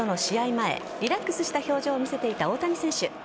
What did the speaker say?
前リラックスした表情を見せていた大谷選手。